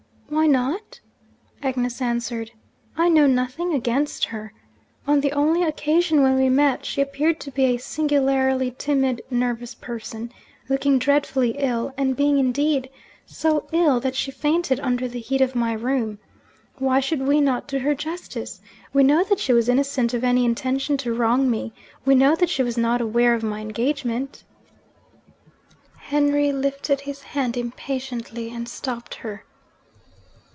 'Why not?' Agnes answered. 'I know nothing against her. On the only occasion when we met, she appeared to be a singularly timid, nervous person, looking dreadfully ill; and being indeed so ill that she fainted under the heat of my room. Why should we not do her justice? We know that she was innocent of any intention to wrong me; we know that she was not aware of my engagement ' Henry lifted his hand impatiently, and stopped her.